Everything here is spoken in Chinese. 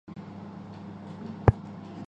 有必要到现场检查以澄清正确的机制。